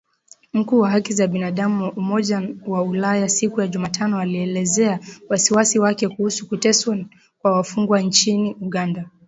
Mkuu wa haki za binadamu wa Umoja wa Ulaya siku ya Jumatano alielezea wasiwasi wake kuhusu kuteswa kwa wafungwa nchini Uganda.